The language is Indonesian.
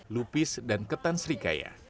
lupis dan ketan serikaya